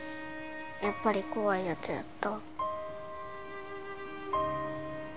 やっぱり怖いやつやった？